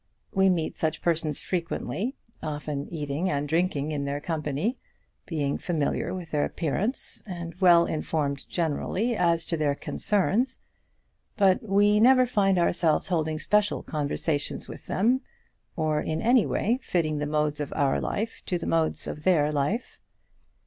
We meet such persons frequently, often eating and drinking in their company, being familiar with their appearance, and well informed generally as to their concerns; but we never find ourselves holding special conversations with them, or in any way fitting the modes of our life to the modes of their life.